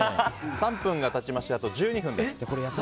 ３分経ちましてあと１２分です。